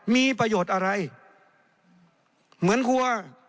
มีประโยชน์อะไรเหมือนครัว